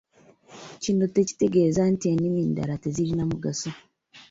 Kino tekitegeeza nti ennimi endala tezirina mugaso.